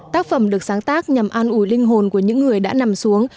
tác phẩm được sáng tác nhằm an ủi linh hồn của những người đã nằm xuống